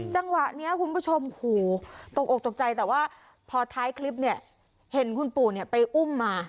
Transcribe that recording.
จังหวะนี้คุณผู้ชมโหตกอกตกใจแต่ว่าพอท้ายคลิปเนี่ยเห็นคุณปู่ไปอุ้มมา